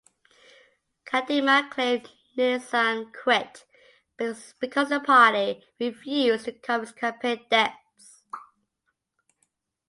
Kadima claimed Nitzan quit because the party refused to cover his campaign debts.